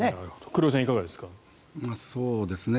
黒井さん、いかがですか。